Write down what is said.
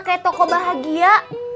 kayak toko bahagia